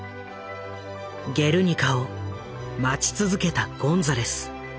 「ゲルニカ」を待ち続けたゴンザレス。